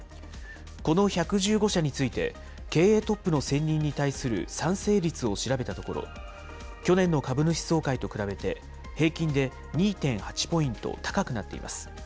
この１１５社について経営トップの選任に対する賛成率を調べたところ、去年の株主総会と比べて平均で２．８ポイント高くなっています。